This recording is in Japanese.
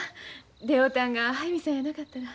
出会うたんが速水さんやなかったら。